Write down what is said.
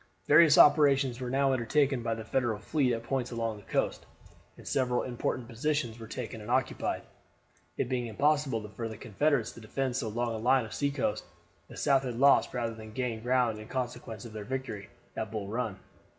Various operations were now undertaken by the Federal fleet at points along the coast, and several important positions were taken and occupied, it being impossible for the Confederates to defend so long a line of sea coast. The South had lost rather than gained ground in consequence of their victory at Bull Run.